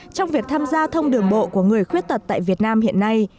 trong việc tham gia thông đường bộ của người khuyết tật tại việt nam hiện nay